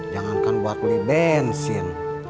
jangankan buat beli bensin